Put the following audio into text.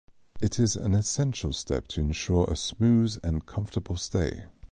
It is an essential step to ensure a smooth and comfortable stay.